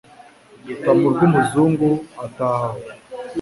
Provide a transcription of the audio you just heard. Rutamu rw'umuzungu ataha aho